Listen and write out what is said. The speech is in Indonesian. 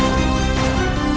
kamu benar benar curangnya